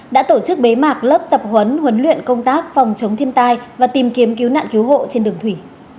đã tổ chức bế mạc lớp tập huấn huấn luyện công tác phòng chống thiên tai và tìm kiếm cứu nạn cứu hộ trên đường thủy